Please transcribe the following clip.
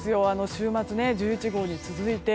週末、１１号に続いて。